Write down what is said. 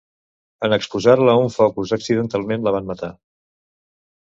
En exposar-la a un focus, accidentalment la van matar.